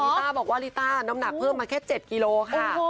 ต้าบอกว่าลิต้าน้ำหนักเพิ่มมาแค่๗กิโลค่ะ